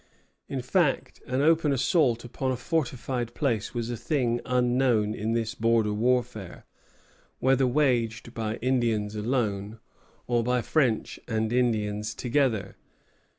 In fact, an open assault upon a fortified place was a thing unknown in this border warfare, whether waged by Indians alone, or by French and Indians together.